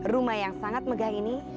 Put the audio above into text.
rumah yang sangat megah ini